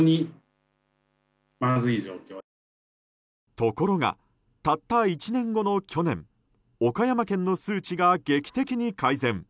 ところが、たった１年後の去年岡山県の数値が劇的に改善。